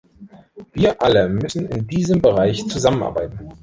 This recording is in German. Wir alle müssen in diesem Bereich zusammenarbeiten.